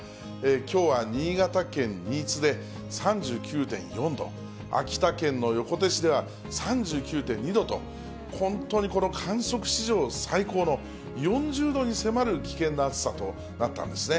きょうは新潟県新津で３９．４度、秋田県の横手市では３９．２度と、本当にこの観測史上、最高の４０度に迫る危険な暑さとなったんですね。